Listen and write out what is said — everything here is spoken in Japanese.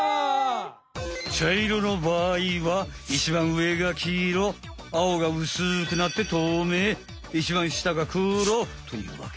ちゃいろのばあいはいちばんうえがきいろあおがうすくなってとうめいいちばんしたがくろというわけ。